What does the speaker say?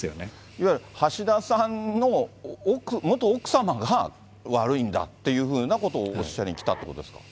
いわゆる橋田さんの、元奥様が悪いんだっていうようなことをおっしゃりに来たっていうことですか。